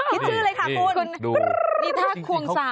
คิดชื่อเลยค่ะคุณนี่ถ้าควงสาก